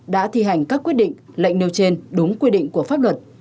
đã thi hành các quyết định lệnh nêu trên đúng quy định của pháp luật